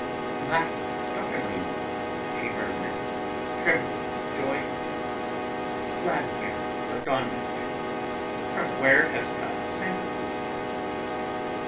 "My darling!" she murmured, trembling with joy. "Vladimir Platonych, from where has God sent you?"